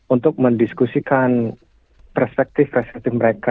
untuk mendiskusikan perspektif perspektif mereka